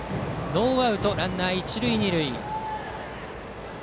ノーアウトランナー、一塁二塁。